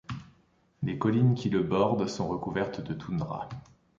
Les collines qui le bordent sont recouvertes de toundra.